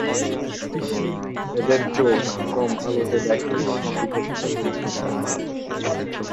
এদের চোখ কম আলোতে দেখার জন্য বিকশিত হয়েছে।